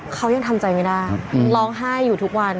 เขายังทำใจไม่ได้ร้องไห้อยู่ทุกวัน